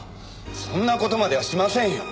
そんな事まではしませんよ。